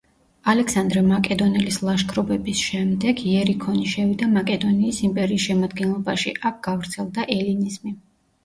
ალექსანდრე მაკედონელის ლაშქრობების შემდეგ, იერიქონი შევიდა მაკედონიის იმპერიის შემადგენლობაში, აქ გავრცელდა ელინიზმი.